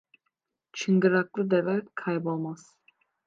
Çıngıraklı deve kaybolmaz.